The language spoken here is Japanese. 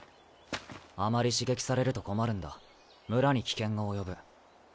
あまり刺激されると困るんだ村に危険が及ぶ。